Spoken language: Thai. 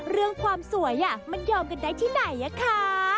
เรื่องความสวยมันยอมกันได้ที่ไหนอะคะ